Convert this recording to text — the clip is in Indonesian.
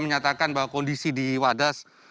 menyatakan bahwa kondisi di wadas